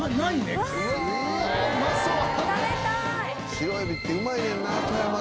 白エビってうまいねんな富山の。